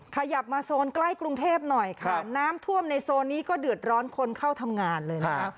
ขยับมาโซนใกล้กรุงเทพหน่อยค่ะน้ำท่วมในโซนนี้ก็เดือดร้อนคนเข้าทำงานเลยนะคะ